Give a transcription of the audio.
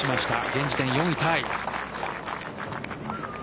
現時点、４位タイ。